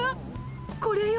これよ